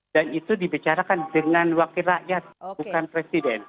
dan itu dibicarakan dengan wakil rakyat bukan presiden